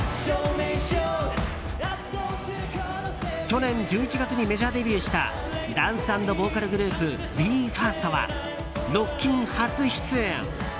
去年１１月にメジャーデビューしたダンス＆ボーカルグループＢＥ：ＦＩＲＳＴはロッキン初出演！